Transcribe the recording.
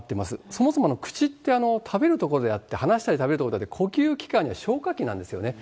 そもそも、口って食べるところであって、話したり食べるところであって、呼吸器官、消化器なんですよね。